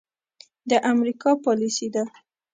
د امريکا پاليسي ده.